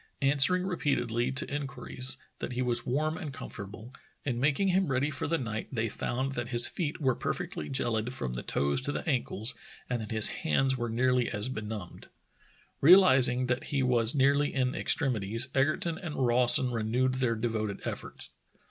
Answering repeatedly, to inquiries, that he was warm and comfortable, in making him ready for the night they found that his feet were perfectly geHd from the toes to the ankles and that his hands were nearly as benumbed. Realizing that he was nearly in extremities, Eger ton and Rawson renewed their devoted efforts.